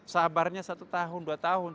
sabarnya satu tahun dua tahun